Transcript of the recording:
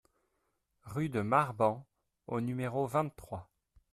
Rue de Marban au numéro vingt-trois